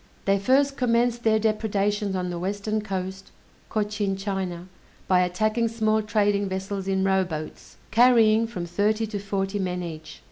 They first commenced their depredations on the Western coast (Cochin China), by attacking small trading vessels in rowboats, carrying from thirty to forty men each.